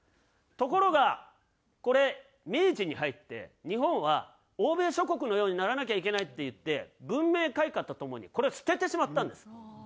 ところがこれ明治に入って日本は欧米諸国のようにならなきゃいけないっていって文明開化とともにこれを捨ててしまったんです。